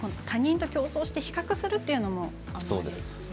他人と競争して比較するということもあるんですね。